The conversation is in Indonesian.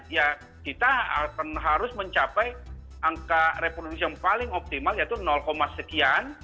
ya kita akan harus mencapai angka reproduksi yang paling optimal yaitu sekian